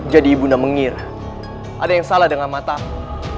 jadi ibu mengira ada yang salah dengan mata aku